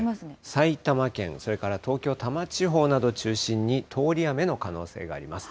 埼玉県、それから東京・多摩地方などを中心に通り雨の可能性があります。